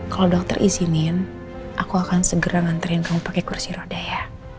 kalau dokter izinin aku akan segera nganterin kamu pakai kursi roda ya